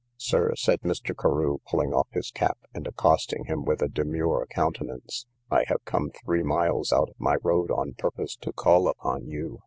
Sir, said Mr. Carew, pulling off his hat, and accosting him with a demure countenance, I have come three miles out of my road on purpose to call upon you.